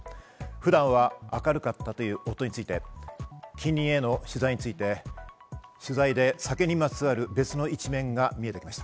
普段は明るかったという夫について、近隣への取材で酒にまつわる別の一面が見えてきました。